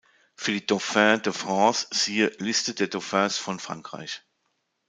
Für die "Dauphins de France" siehe: Liste der Dauphins von Frankreich